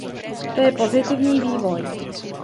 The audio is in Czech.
To je pozitivní vývoj.